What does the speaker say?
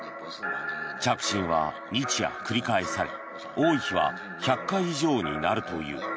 着信は日夜繰り返され多い日は１００回以上になるという。